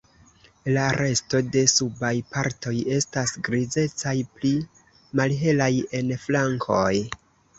La resto de subaj partoj estas grizecaj, pli malhelaj en flankoj.